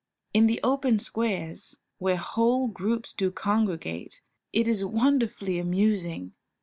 In the open squares, where whole groups do congregate, it is wonderfully amusing.